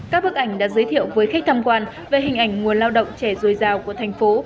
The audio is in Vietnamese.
các bức ảnh đã giới thiệu với khách tham quan về hình ảnh nguồn lao động trẻ dồi dào của thành phố